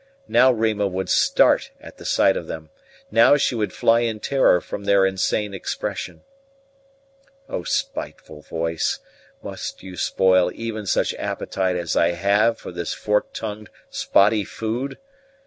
Now Rima would start at the sight of them; now she would fly in terror from their insane expression." "O spiteful voice, must you spoil even such appetite as I have for this fork tongued spotty food?